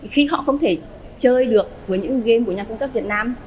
khi họ không thể chơi được với những game của nhà cung cấp việt nam